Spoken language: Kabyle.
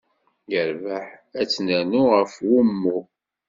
Yerbeḥ, ad tt-nernu ɣer wumuɣ.